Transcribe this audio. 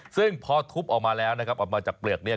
ซึ่งพอทุบออกมาแล้วนะครับออกมาจากเปลือกเนี่ย